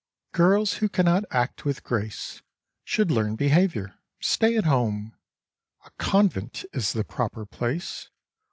Girls who cannot act with grace Should learn behaviour ; stay at home ; A convent is the proper place.